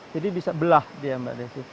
jadi bisa belah dia mbak desi